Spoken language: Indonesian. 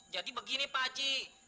jadi begini pak ji